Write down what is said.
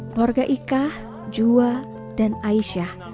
keluarga ika jua dan aisyah